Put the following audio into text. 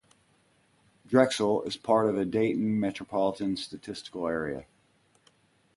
Drexel is part of the Dayton Metropolitan Statistical Area.